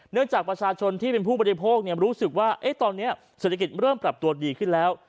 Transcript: จากประชาชนที่เป็นผู้บริโภครู้สึกว่าตอนนี้เศรษฐกิจเริ่มปรับตัวดีขึ้นแล้ว